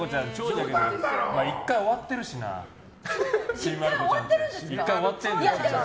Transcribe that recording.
１回終わってるしな「ちびまる子ちゃん」は。